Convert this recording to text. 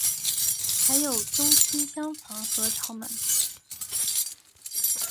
还有东西厢房和朝门。